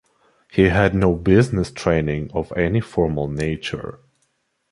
He had no business training of any formal nature.